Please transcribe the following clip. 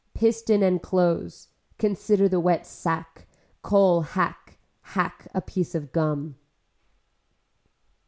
Piston and clothes, consider the wet sack, coal hack, hack a piece of gum.